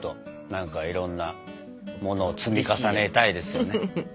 何かいろんなものを積み重ねたいですよね。